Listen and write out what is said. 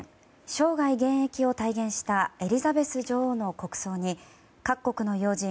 生涯現役を体現したエリザベス女王の国葬に各国の要人